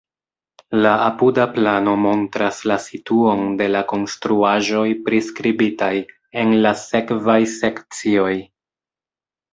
La apuda plano montras la situon de la konstruaĵoj priskribitaj en la sekvaj sekcioj.